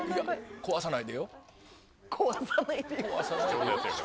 壊さないで。